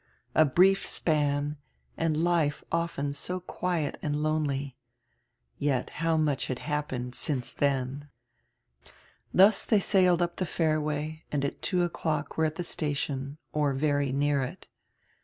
A brief span, and life often so quiet and lonely. Yet how much had happened since dien! Thus diey sailed up die fairway and at two o'clock were at die station or very near it.